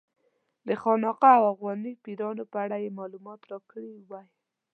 د خانقا او افغاني پیرانو په اړه یې معلومات راکړي وای.